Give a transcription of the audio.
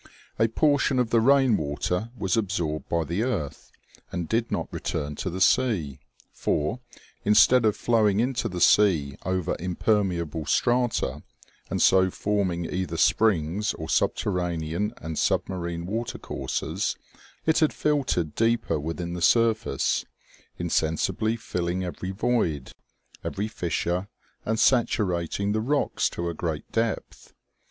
A portion of the rain water was absorbed by the earth, and did not return to the sea ; for, instead of flowing into the sea over impermeable strata, and so forming either springs or subter ranean and submarine watercourses, it had filtered deeper within the surface, insensibly filling every void, every 15 226 OMEGA. fissure, and saturating the rocks to a great depth.